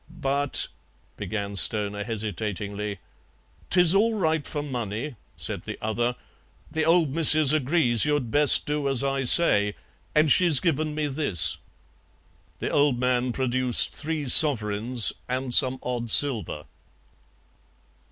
"But " began Stoner hesitatingly. "'Tis all right for money," said the other; "the old Missus agrees you'd best do as I say, and she's given me this." The old man produced three sovereigns and some odd silver.